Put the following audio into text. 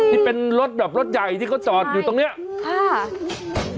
ที่เป็นรถแบบรถใหญ่ที่เขาจอดอยู่ตรงเนี้ยค่ะ